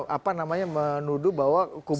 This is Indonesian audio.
apa namanya menuduh bahwa kubu